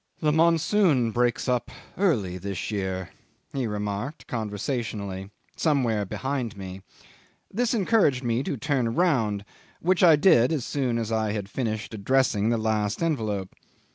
"The monsoon breaks up early this year," he remarked conversationally, somewhere behind me. This encouraged me to turn round, which I did as soon as I had finished addressing the last envelope.